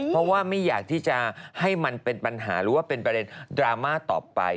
เพราะว่าไม่อยากที่จะให้มันเป็นปัญหาหรือว่าเป็นประเด็นดราม่าต่อไป